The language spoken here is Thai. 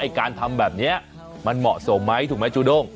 ไอ้การทำแบบนี้มันเหมาะสมมั้ยถูกมั้ยจูด้ง